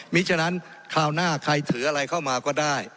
มีฉะนั้นคราวหน้าใครถืออะไรเข้ามาก็ได้